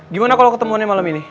gimana kalau ketemuannya malam ini